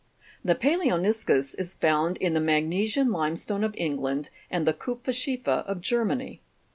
The palaoni'scus is found in the magnesian limestone of England and the kupferzchiefer of Germany.